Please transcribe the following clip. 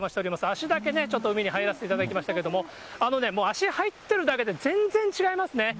足だけね、ちょっと海に入らせていただきましたけど、もう足入ってるだけで、全然違いますね。